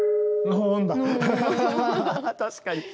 確かに。